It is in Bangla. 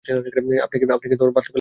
আপনি কি বাল্যকালে তোতলাতেন?